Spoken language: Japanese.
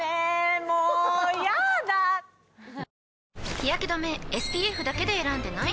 日やけ止めＳＰＦだけで選んでない？